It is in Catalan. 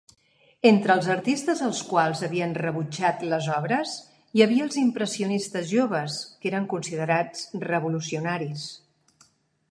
Entre els artistes als quals havien rebutjat les obres hi havia els impressionistes joves, que eren considerats revolucionaris.